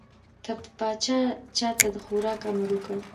که به پاچا چا ته د خوراک امر وکړ.